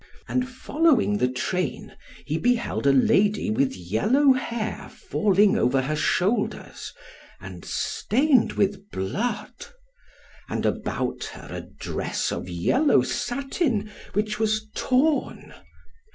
And following the train, he beheld a lady with yellow hair falling over her shoulders, and stained with blood; and about her a dress of yellow satin, which was torn.